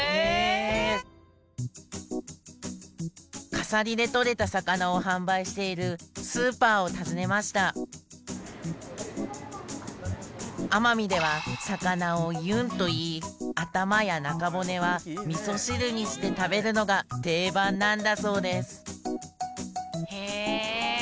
笠利で取れた魚を販売しているスーパーを訪ねました奄美では魚をイュンといい頭や中骨はみそ汁にして食べるのが定番なんだそうですへえ。